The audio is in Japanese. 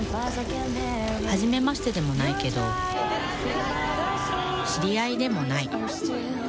「はじめまして」でもないけど知り合いでもない。